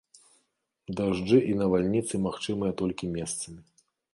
Дажджы і навальніцы магчымыя толькі месцамі.